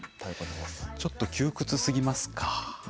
ちょっと窮屈すぎますか。